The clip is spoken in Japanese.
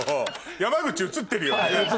山口映ってるよね？